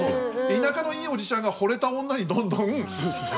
田舎のいいおじちゃんがほれた女にどんどんということですよね。